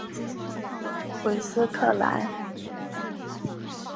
韦斯克莱。